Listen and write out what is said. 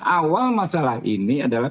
awal masalah ini adalah